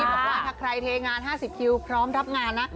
บอกว่าถ้าใครเทงาน๕๐คิวพร้อมรับงานนะ